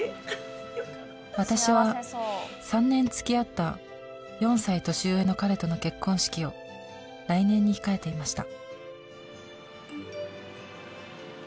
よかった私は３年つきあった４歳年上の彼との結婚式を来年に控えていました